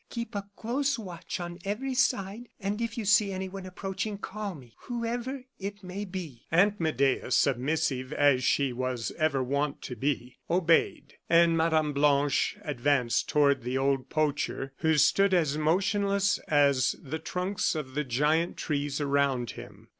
Keep a close watch on every side, and if you see anyone approaching, call me, whoever it may be." Aunt Medea, submissive as she was ever wont to be, obeyed; and Mme. Blanche advanced toward the old poacher, who stood as motionless as the trunks of the giant trees around him.